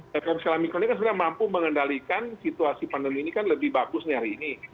ppkm skala mikro ini kan sebenarnya mampu mengendalikan situasi pandemi ini kan lebih bagus nih hari ini